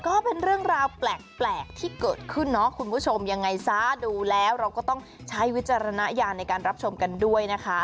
ก็เป็นเรื่องราวแปลกที่เกิดขึ้นเนาะคุณผู้ชมยังไงซะดูแล้วเราก็ต้องใช้วิจารณญาณในการรับชมกันด้วยนะคะ